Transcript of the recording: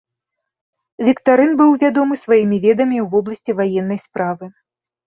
Віктарын быў вядомы сваімі ведамі ў вобласці ваеннай справы.